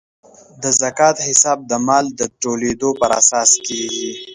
د زکات حساب د مال د ټولیدو پر اساس کیږي.